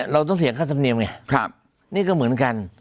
เราต้องเสียค่าธรรมเนียมไงนี่ก็เหมือนกัน